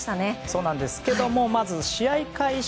そうなんですけども試合開始